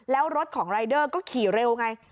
แล้วรถของรายเดอร์ก็ขี่เร็วไง